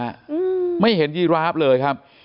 อืมไม่เห็นยีราฟเลยครับ